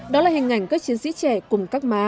đó là hình ảnh các chiến sĩ trẻ cùng các má